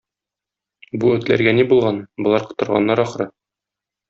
Бу этләргә ни булган, болар котырганнар, ахры